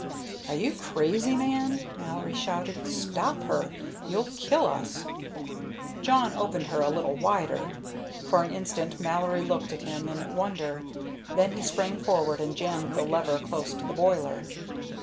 "Are you crazy, man!" Mallory shouted. "Stop her! You'll kill us!" Jawn opened her a little wider. For an instant Mallory looked at him in wonder, then he sprang forward and jammed the lever close to the boiler.